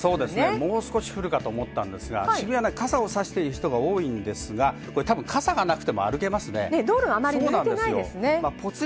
もう少し降るかと思ったんですが、渋谷は傘をさしている人が多いんですが、傘がなくても歩けますね。